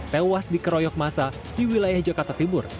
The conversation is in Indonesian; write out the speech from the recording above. tewas di keroyok masa di wilayah jakarta timur